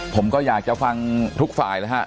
ผมก็อยากท่อฟังทุกฝ่ายนะฮะ